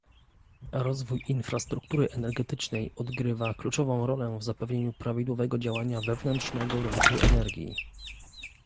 Rozwój infrastruktury energetycznej odgrywa kluczową rolę w zapewnieniu prawidłowego działania wewnętrznego rynku energii